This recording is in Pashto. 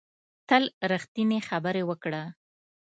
تل ریښتینې خبرې وکړه